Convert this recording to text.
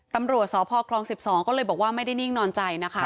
ตำรวจสพคลอง๑๒ก็เลยบอกว่าไม่ได้นิ่งนอนใจนะคะ